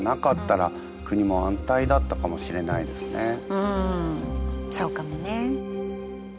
もしうんそうかもね。